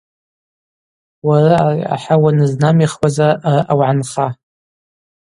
Уара ари ахӏа уанызнамихуазара араъа угӏанха.